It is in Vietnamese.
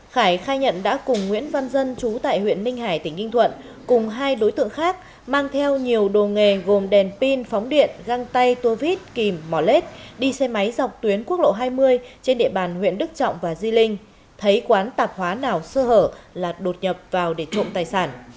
khải khai nhận đã cùng nguyễn văn dân chú tại huyện ninh hải tỉnh ninh thuận cùng hai đối tượng khác mang theo nhiều đồ nghề gồm đèn pin phóng điện găng tay tour vít kìm mỏ lết đi xe máy dọc tuyến quốc lộ hai mươi trên địa bàn huyện đức trọng và di linh thấy quán tạp hóa nào sơ hở là đột nhập vào để trộm tài sản